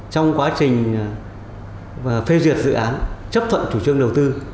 trong quá trình phê duyệt dự án chấp thuận chủ trương đầu tư